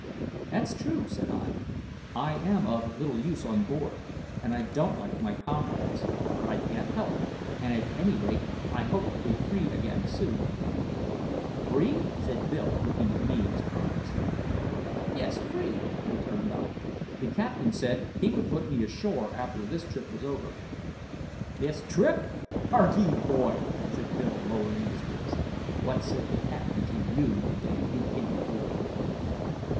"That's true," said I. "I am of little use on board, and I don't like my comrades; but I can't help it, and at any rate I hope to be free again soon." "Free?" said Bill, looking at me in surprise. "Yes, free," returned I. "The captain said he would put me ashore after this trip was over." "This trip! Hark'ee, boy," said Bill, lowering his voice, "what said the captain to you the day you came aboard?"